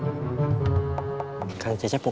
tahulah nih pakinan kita lou